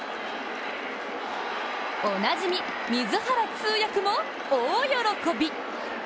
おなじみ水原通訳も大喜び。